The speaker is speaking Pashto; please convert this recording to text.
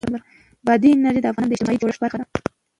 بادي انرژي د افغانستان د اجتماعي جوړښت برخه ده.